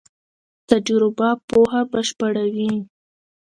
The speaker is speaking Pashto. تجربه پوهه بشپړوي.